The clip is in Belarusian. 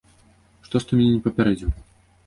Што ж ты мяне не папярэдзіў?!